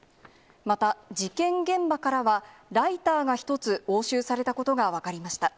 また、事件現場からは、ライターが１つ押収されたことが分かりました。